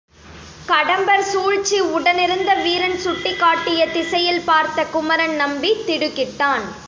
கடம்பர் சூழ்ச்சி உடனிருந்த வீரன் சுட்டிக் காட்டிய திசையில் பார்த்த குமரன் நம்பி திடுக்கிட்டான்.